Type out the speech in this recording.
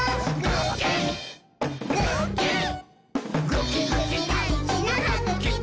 ぐきぐきだいじなはぐきだよ！」